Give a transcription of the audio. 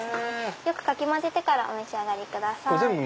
よくかき混ぜてからお召し上がりください。